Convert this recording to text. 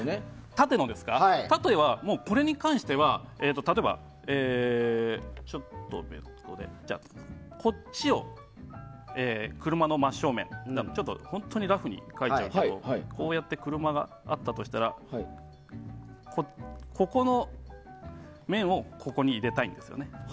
縦は、これに関しては例えばこっちを車の真正面として本当にラフに描いちゃいますがこうやって車があったとしたらここの面をここに入れたいんですよね。